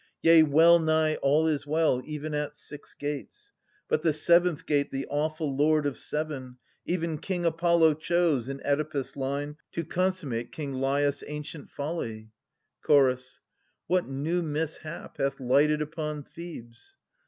Yea, well nigh all is well — even at six gates : But the seventh gate the awful Lord of Seven, 800 Even King Apollo, chose, in Oedipus' line To consummate king Laius* ancient folly. Chorus. What new mishap hath lighted upon Thebes